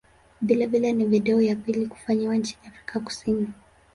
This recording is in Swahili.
Vilevile ni video ya pili kufanyiwa nchini Afrika Kusini.